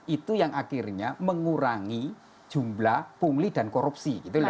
itu yang akhirnya mengurangi jumlah pungli dan korupsi